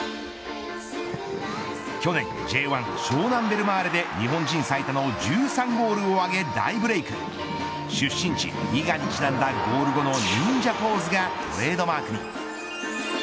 去年、Ｊ１、湘南ベルマーレで日本人最多の１３ゴールを挙げ、大ブレーク。出身地伊賀にちなんだゴール後の忍者ポーズがトレードマークに。